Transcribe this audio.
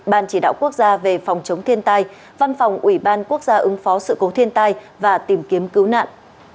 ban chỉ đạo quốc gia về phòng chống thiên tai văn phòng ủy ban quốc gia ứng phó sự cố thiên tai và tìm kiếm cứu nạn